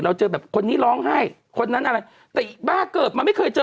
หลุดจริงนะหลุดไปเลยอ่ะ